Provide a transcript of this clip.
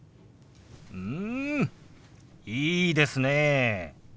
うんいいですねえ。